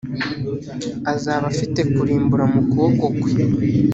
azaba afite kurimbura mu kuboko kwe